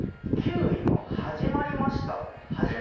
９位のはじまりました。